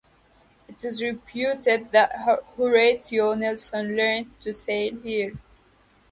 It is reputed that Horatio Nelson learnt to sail here.